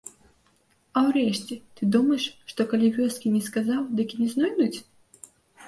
А ўрэшце, ты думаеш, што калі вёскі не сказаў, дык і не знойдуць?